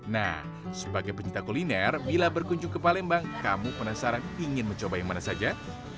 nah sebagai pencinta kuliner bila berkunjung ke palembang kamu penasaran ingin mencoba yang mana saja